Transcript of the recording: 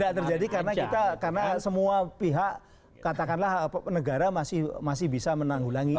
tidak terjadi karena semua pihak katakanlah negara masih bisa menanggulangi itu